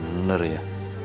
mana yang bener ya